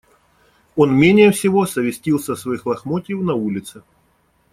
Он менее всего совестился своих лохмотьев на улице.